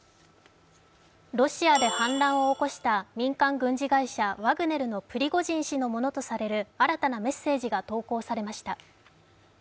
ロシアで反乱を起こした民間軍事会社ワグネルのプリゴジン氏のものとされる新たなメッセージが投稿されました。